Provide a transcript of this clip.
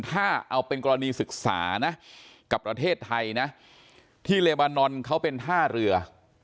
ถ้าเอาเป็นกรณีศึกษานะกับประเทศไทยนะที่เลบานอนเขาเป็นท่าเรือ